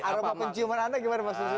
aroma penciuman anda gimana mas lusius